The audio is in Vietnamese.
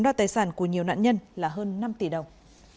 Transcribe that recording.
đoạt tài sản của nhiều nạn nhân là hơn năm tỷ đồng